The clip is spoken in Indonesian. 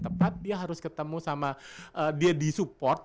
tepat dia harus ketemu sama dia disupport